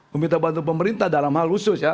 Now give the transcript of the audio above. meminta bantu pemerintah dalam hal khusus ya